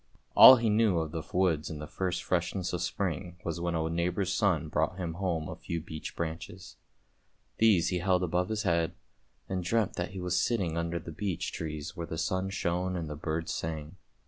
All he knew of the woods in the first freshness of spring was when a neighbour's son brought him home a few beech branches. These he held above his head, and dreamt that he was sitting under the beech trees where the sun shone and the birds sang.